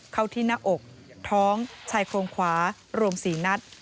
เข้าที่หน้าอกท้องชายโครงขวารวม๔นัด